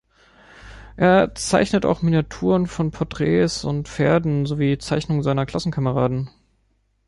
Er zeichnete auch Miniaturen von Porträts und Pferden sowie Zeichnungen seiner Klassenkameraden.